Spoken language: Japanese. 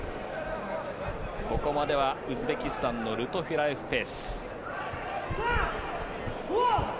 ここまではウズベキスタンのルトフィラエフペース。